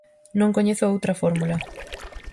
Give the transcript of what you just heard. Non coñezo outra fórmula.